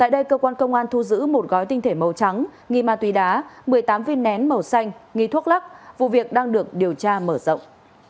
một mươi tám viên nén màu xanh nghi thuốc lắc vụ việc đang được điều tra mở rộng